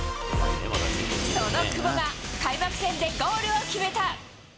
その久保が、開幕戦でゴールを決めた。